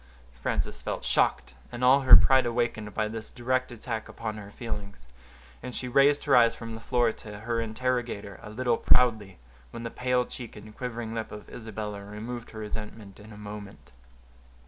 Frances felt shocked, and all her pride awakened, by this direct attack upon her feelings, and she raised her eyes from the floor to her interrogator a little proudly, when the pale cheek and quivering lip of Isabella removed her resentment in a moment.